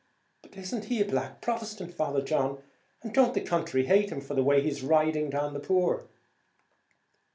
"But isn't he a black Protestant, Father John; and don't the country hate him for the way he's riding down the poor?"